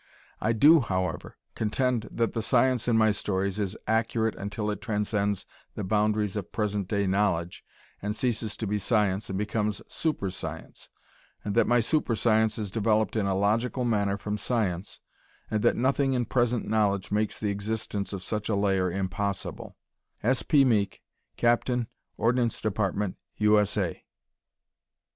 I do, however, contend that the science in my stories is accurate until it transcends the boundaries of present day knowledge and ceases to be science and becomes "super science," and that my super science is developed in a logical manner from science and that nothing in present knowledge makes the existence of such a layer impossible S. P. Meek. Capt. Ord. Dept., U. S. A.